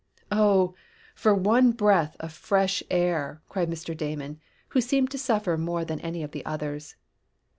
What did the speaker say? "Oh, for one breath of fresh air!" cried Mr. Damon, who seemed to suffer more than any of the others.